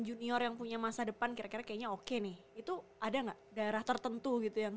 junior yang punya masa depan kira kira kayaknya oke nih itu ada nggak daerah tertentu gitu yang